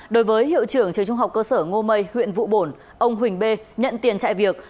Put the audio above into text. đối với hiệu trưởng trường trung học cơ sở ngô mây huyện vụ bổn ông huỳnh b nhận tiền chạy việc